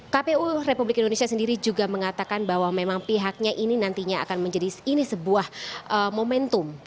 kpu republik indonesia sendiri juga mengatakan bahwa memang pihaknya ini nantinya akan menjadi ini sebuah momentum